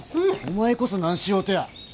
お前こそ何しようとや。